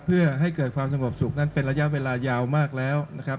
เพื่อให้เกิดความสงบสุขนั้นเป็นระยะเวลายาวมากแล้วนะครับ